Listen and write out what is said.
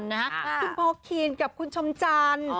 ซึ่งพ่อคีนกับคุณชมจัน